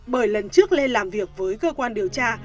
bởi lần trước lên làm việc với cơ quan điều tra